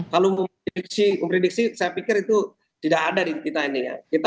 kalau memprediksi saya pikir itu tidak ada di kita ini ya